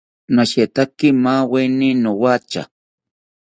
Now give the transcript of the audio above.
Nashetaki maaweni nowatha